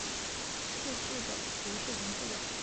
血雉的足是红色的。